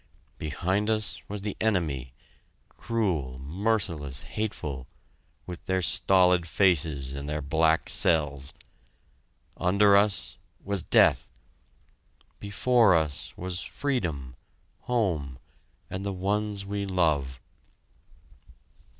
Behind us was the enemy cruel, merciless, hateful with their stolid faces and their black cells. Under us was death. Before us was freedom home and the ones we love!